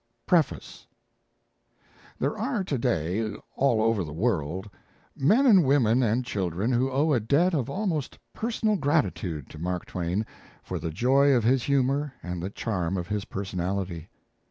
PREFACE There are to day, all over the world, men and women and children who owe a debt of almost personal gratitude to Mark Twain for the joy of his humour and the charm of his personality.